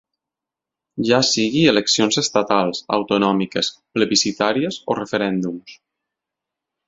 Ja sigui eleccions estatals, autonòmiques, plebiscitàries o referèndums.